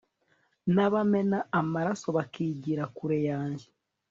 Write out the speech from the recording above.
n'abamena amaraso bakigira kure yanjye